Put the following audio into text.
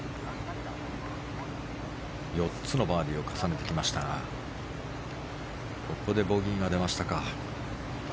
４つのバーディーを重ねてきましたがここでボギーが出ましたか。